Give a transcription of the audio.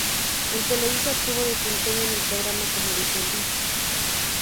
En Televisa obtuvo desempeño en el programa "Como dice el dicho".